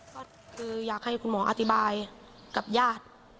ก็คืออยากให้คุณหมออธิบายกับญาติ